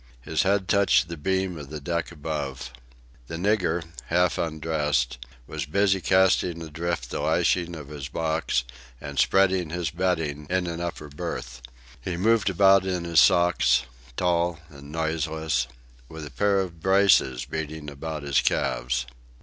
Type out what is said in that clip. His head touched the beam of the deck above. The nigger, half undressed, was busy casting adrift the lashing of his box, and spreading his bedding in an upper berth. He moved about in his socks, tall and noiseless, with a pair of braces beating about his calves.